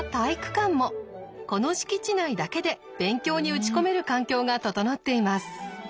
この敷地内だけで勉強に打ち込める環境が整っています。